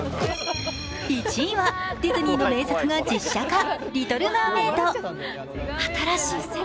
１位はディズニーの名作が実写化「リトル・マーメイド」。